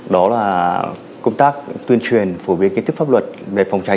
đó là công tác tuyên truyền phổ biến kết thúc pháp luật về phòng cháy